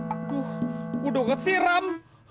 aduh udah ngesiram